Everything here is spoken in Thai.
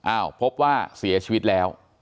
อ้าวพบว่าเสียชีวิตแล้ว